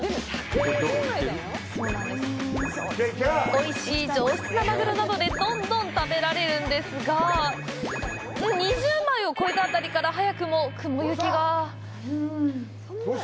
おいしい、上質なマグロなのでどんどん食べられるんですが２０枚を超えたあたりから早くも雲行きが。